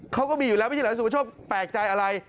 เขาก็มีอยู่แล้วไม่ใช่เหรอสุประโชคแปลกใจอะไร